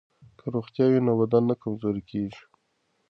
که روغتیا وي نو بدن نه کمزوری کیږي.